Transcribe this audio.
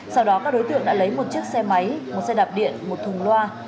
sau đó các đối tượng đã lấy một chiếc xe máy một xe đạp điện một thùng loa